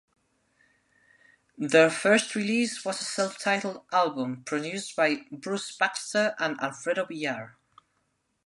Their first release was a self-titled album, produced by Bruce Baxter and Alfredo Villar.